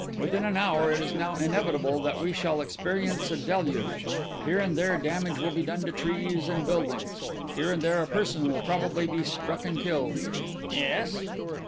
Within an hour it is now inevitable that we shall experience a deluge. Here and there damage will be done to trees and buildings; here and there a person will probably be struck and killed." "Yes."